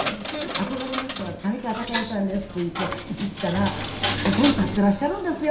「憧れの人は上川隆也さんです」って言って行ったらそこに立っていらっしゃるんですよ。